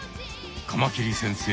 カマキリ先生